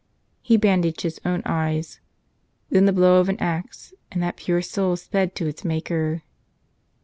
He bandaged his own eyes. Then the blow of an axe — and that pure soul sped to its Maker.